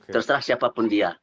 terserah siapapun dia